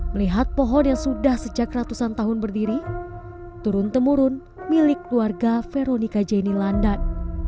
melihat pohon yang sudah sejak ratusan tahun berdiri turun temurun milik keluarga veronica jenny landan